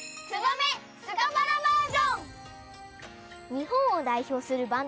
にほんをだいひょうするバンド